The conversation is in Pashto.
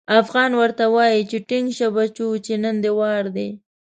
افغان ورته وايي چې ټينګ شه بچو چې نن دې وار دی.